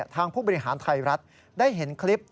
ผู้บริหารไทยรัฐได้เห็นคลิป